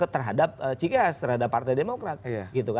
terhadap cks terhadap partai demokrat